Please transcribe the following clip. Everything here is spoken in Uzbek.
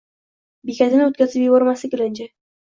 Bekatini o’tkazib yubormaslik ilinj.